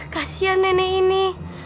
kasian nenek ini